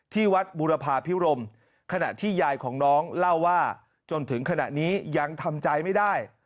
ที่วัดบุรพาพิรมขณะที่ยายของน้องเล่าว่าจนถึงขณะนี้ยังทำใจไม่ได้